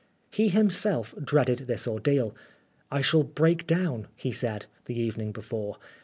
He himself dreaded this ordeal. " I shall break down," he said, the evening before.